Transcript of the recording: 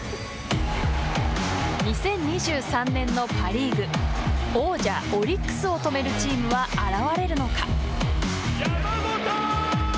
２０２３年のパ・リーグ王者オリックスを止めるチームは現れるのか。